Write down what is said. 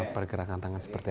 pergerakan tangan seperti apa